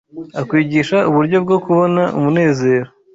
akwigisha uburyo bwo kubona umunezero